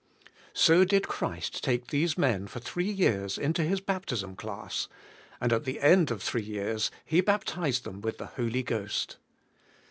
So did Christ take these men for three years into His baptism class, and at the end of three years He baptized them with the Holy Ghost.